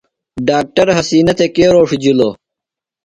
ڈاکٹر حسنہ تھےۡ کے رھوݜِجِلوۡ ؟